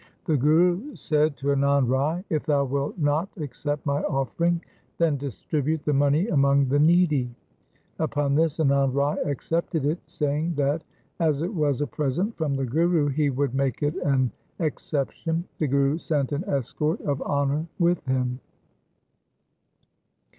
The Guru said to Anand Rai, ' If thou wilt not accept my offering, then distribute the money among the needy.' Upon this Anand Rai accepted it, saying that as it was a present from the Guru he would make it an exception. The Guru sent an escort of honour with him.